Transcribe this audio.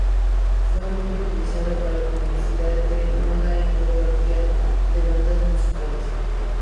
Fue muy utilizado para publicidad de moda y fotografía de bandas musicales.